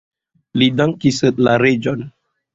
Li dankis la reĝon.